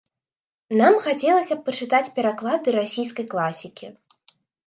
Нам хацелася б пачытаць пераклады расійскай класікі.